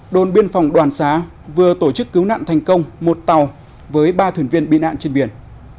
đồn biên phòng đoàn xá vừa tổ chức cứu nạn thành công một tàu với ba thuyền viên bị nạn trên biển